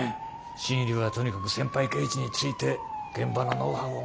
新入りはとにかく先輩刑事について現場のノウハウを学ぶんだ。